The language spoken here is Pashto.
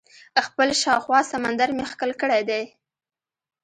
خپل شاوخوا سمندر مې ښکل کړی دئ.